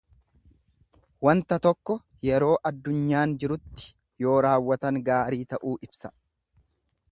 Wanta tokko yeroo addunyaan jirutti yoo raawwatan gaarii ta'uu ibsa.